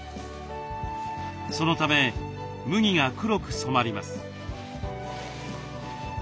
そのため麦が黒く染まります。